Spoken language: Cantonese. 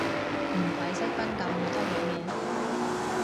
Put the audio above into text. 唔鬼識分咁多藥名